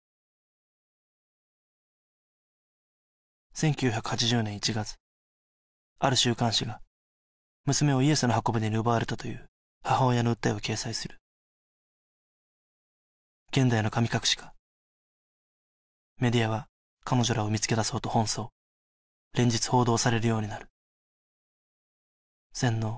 １９８０年１月ある週刊誌が「娘をイエスの方舟に奪われた」という母親の訴えを掲載する現代の神隠しかメディアは彼女らを見つけ出そうと奔走連日報道されるようになる洗脳